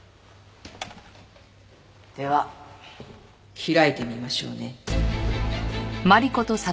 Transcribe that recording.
では開いてみましょうね。